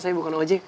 saya bukan oj